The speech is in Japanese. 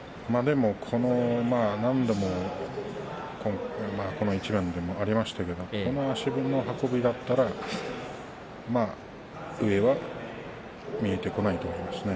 何度も、この１年ありましたけれどこの足の運びだったら上は見えてこないと思いますね。